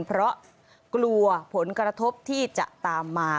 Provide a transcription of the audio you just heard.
เพราะกลัวผลกระทบที่จะตามมา